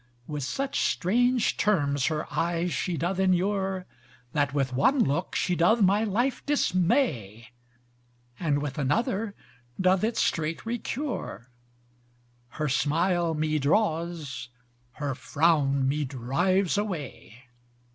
With such strange terms her eyes she doth inure, That with one look she doth my life dismay: And with another doth it straight recure, Her smile me draws, her frown me drives away.